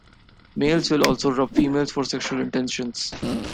Males will also rub females for sexual intentions.